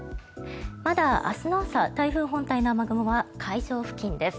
まだ明日の朝、台風本体の雨雲は海上付近です。